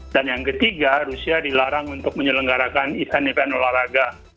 dan yang ketiga rusia dilarang untuk menyelenggarakan event event olahraga